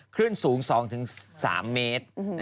ขึ้นสูง๒๓เมตร